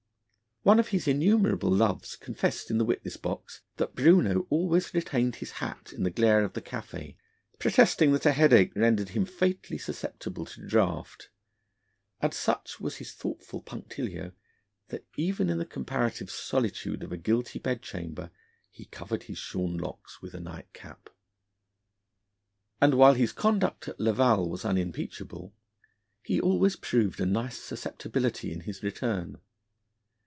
One of his innumerable loves confessed in the witness box that Bruneau always retained his hat in the glare of the Café, protesting that a headache rendered him fatally susceptible to draught; and such was his thoughtful punctilio that even in the comparative solitude of a guilty bed chamber he covered his shorn locks with a nightcap. And while his conduct at Laval was unimpeachable, he always proved a nice susceptibility in his return.